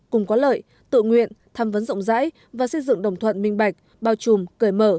cùng có lợi tự nguyện tham vấn rộng rãi và xây dựng đồng thuận minh bạch bao trùm cởi mở